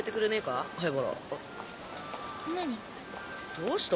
どうした？